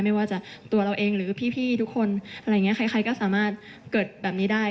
ไม่ว่าจะตัวเราเองหรือพี่ทุกคนอะไรอย่างนี้ใครก็สามารถเกิดแบบนี้ได้